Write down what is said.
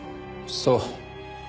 そう。